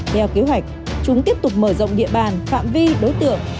theo kế hoạch chúng tiếp tục mở rộng địa bàn phạm vi đối tượng